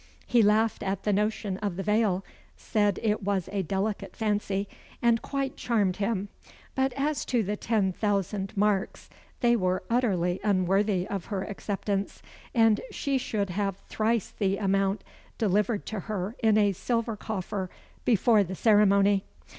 He laughed at the notion of the veil said it was a delicate fancy, and quite charmed him but as to the ten thousand marks, they were utterly unworthy of her acceptance, and she should have thrice the amount delivered to her in a silver coffer before the ceremony.